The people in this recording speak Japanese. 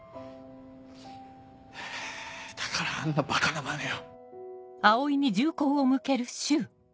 だからあんなバカなまねを。